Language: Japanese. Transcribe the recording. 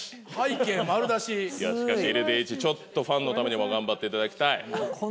しかしＬＤＨファンのためにも頑張っていただきたい。